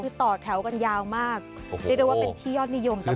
คือต่อแถวกันยาวมากเรียกได้ว่าเป็นที่ยอดนิยม